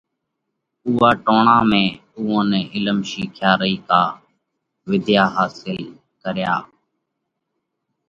اُوئا ٽوڻا ۾ اُوئون نئہ علِم شِيکيا رئي ڪا وۮيا حاصل ڪريا